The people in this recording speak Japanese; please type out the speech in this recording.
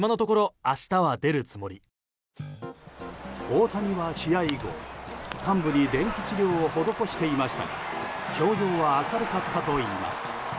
大谷は試合後、患部に電気治療を施していましたが表情は明るかったといいます。